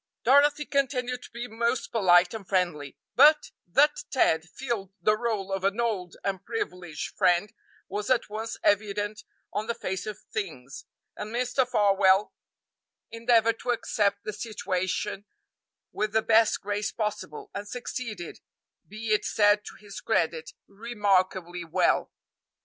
Dorothy continued to be most polite and friendly, but that Ted filled the role of an old and privileged friend was at once evident on the face of things, and Mr. Farwell endeavored to accept the situation with the best grace possible, and succeeded, be it said to his credit, remarkably well.